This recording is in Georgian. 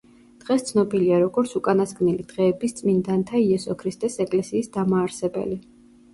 დღეს ცნობილია როგორც უკანასკნელი დღეების წმინდანთა იესო ქრისტეს ეკლესიის დამაარსებელი.